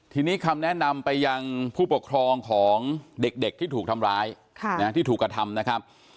ทีนี้คำแนะนำไปยังผู้ปกครองของเด็กที่ถูกทำร้ายที่ถูกกระทำนะครับ